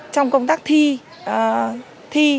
trong công tác thi